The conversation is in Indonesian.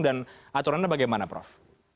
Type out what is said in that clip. dan aturannya bagaimana prof